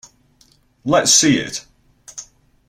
Let's see it!